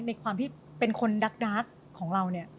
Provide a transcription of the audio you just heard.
ในความที่เป็นคนดักของเรา